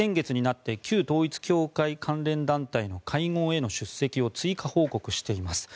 先月になって旧統一教会関連団体の会合への首席を追加報告しています。